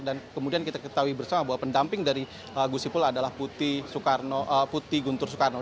dan kemudian kita ketahui bersama bahwa pendamping dari gusipul adalah putih guntur soekarno